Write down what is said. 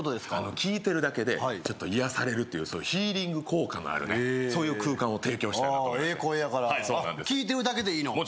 聞いてるだけでちょっと癒されるというヒーリング効果のあるねそういう空間を提供したいなと思いましてええ声やから聞いてるだけでいいの？